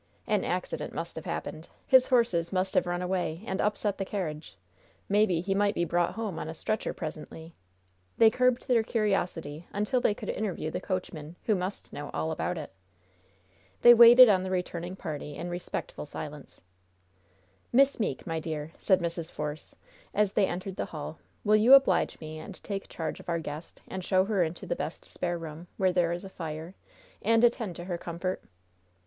An accident must have happened. His horses must have run away and upset the carriage. Maybe he might be brought home on a stretcher presently. They curbed their curiosity until they could interview the coachman, who must know all about it. They waited on the returning party in respectful silence. "Miss Meeke, my dear," said Mrs. Force, as they entered the hall, "will you oblige me and take charge of our guest, and show her into the best spare room, where there is a fire, and attend to her comfort?